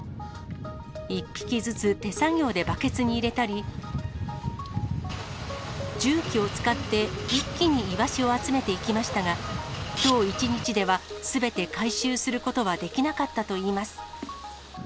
１匹ずつ手作業でバケツに入れたり、重機を使って一気にイワシを集めていきましたが、きょう１日では、すべて回収することはできなかったといいます。